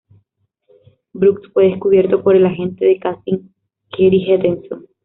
Brooks fue descubierto por el agente de casting Kathy Henderson.